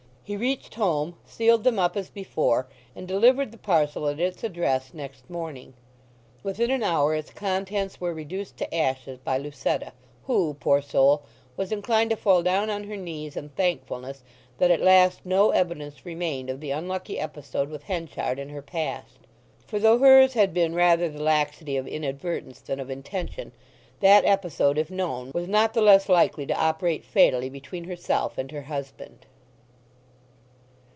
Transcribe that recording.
He reached home, sealed them up as before, and delivered the parcel at its address next morning. Within an hour its contents were reduced to ashes by Lucetta, who, poor soul! was inclined to fall down on her knees in thankfulness that at last no evidence remained of the unlucky episode with Henchard in her past. For though hers had been rather the laxity of inadvertence than of intention, that episode, if known, was not the less likely to operate fatally between herself and her husband.